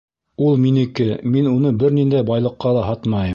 Ул минеке, мин уны бер ниндәй байлыҡҡа ла һатмайым.